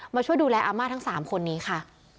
ช่วยดูแลอาม่าทั้ง๓คนนี้ค่ะ